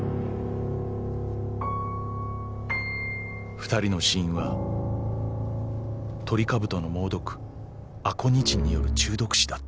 ［２人の死因はトリカブトの猛毒アコニチンによる中毒死だった］